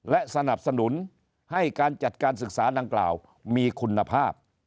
และสนับสนุนให้การจัดการศึกษาดังกล่าวมีคุณภาพ